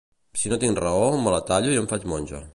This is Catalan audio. Si no tinc raó me la tallo i em faig monja.